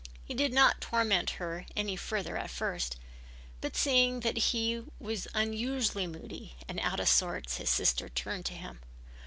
He did not torment her any further at first, but seeing that he was unusually moody and out of sorts his sister turned to him.